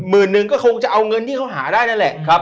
หนึ่งก็คงจะเอาเงินที่เขาหาได้นั่นแหละ